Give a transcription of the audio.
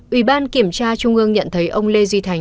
ubnd kiểm tra trung ương nhận thấy ông lê duy thành